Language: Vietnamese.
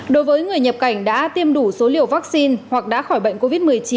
đối với người nhập cảnh đã tiêm đủ số liều vaccine hoặc đã khỏi bệnh covid một mươi chín